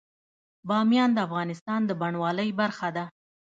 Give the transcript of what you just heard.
بامیان د افغانستان د بڼوالۍ برخه ده.